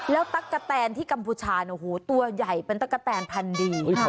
แล้วตะกะแตนที่กัมพูชาโอ้โหตัวใหญ่เป็นตะกะแตนพันดี